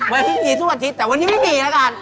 วันนี้มีทุกวันอาทิตย์แต่วันนี้ไม่มีนะครับ